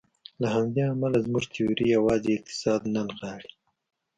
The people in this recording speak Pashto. له همدې امله زموږ تیوري یوازې اقتصاد نه نغاړي.